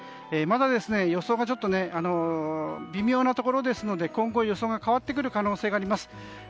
いまだ、予想がちょっと微妙なところですので今後予想が変わってくる可能性があります。